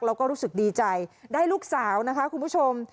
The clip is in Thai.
แล้วก็รู้สึกดีใจได้ลูกสาวนะคะคุณผู้ชม